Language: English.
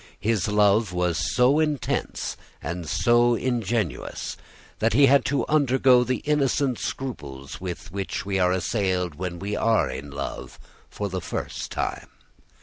His love was so intense and so ingenuous, that he had to undergo the innocent scruples with which we are assailed when we love for the first time.